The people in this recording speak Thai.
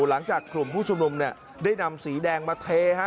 หลังจากกลุ่มผู้ชุมรุมได้นำสีแดงมาเท